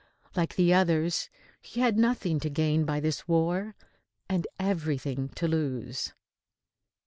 Like the others, he had nothing to gain by this war and everything to lose.